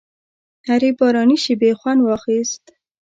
له هرې باراني شېبې خوند واخیست.